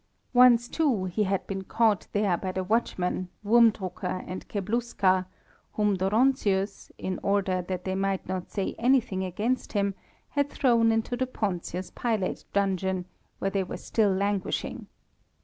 Once, too, he had been caught there by the watchmen, Wurmdrucker and Kebluska, whom Dóronczius, in order that they might not say anything against him, had thrown into the Pontius Pilate dungeon, where they were still languishing.